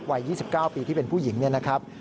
วัย๒๙ปีที่เป็นผู้หญิงเนี่ยนะครับ